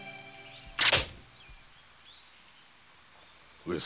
上様